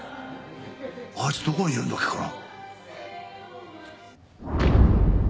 あいつどこにいるんだっけかな？